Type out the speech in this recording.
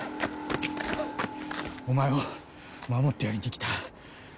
お前を守ってやりに来た。